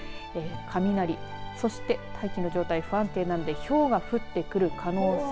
雷、そして大気の状態安定なのでひょうが降ってくる可能性。